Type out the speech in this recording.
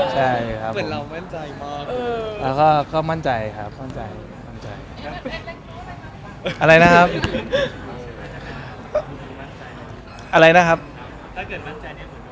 อเจมส์ถ้าเกิดมั่นใจนี้คงเหรอว่าเรายังติดต่อเรื่องอื่นกับแม็กเจอร์อยู่